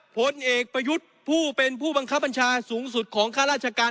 ผลเอกประยุทธ์ผู้เป็นผู้บังคับบัญชาสูงสุดของข้าราชการ